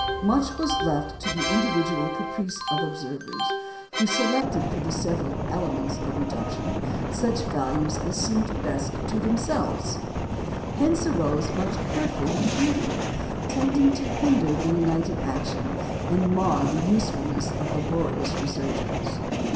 Much was left to the individual caprice of observers, who selected for the several "elements" of reduction such values as seemed best to themselves. Hence arose much hurtful confusion, tending to hinder united action and mar the usefulness of laborious researches.